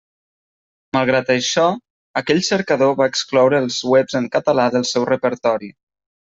Malgrat això aquell cercador va excloure els webs en català del seu repertori.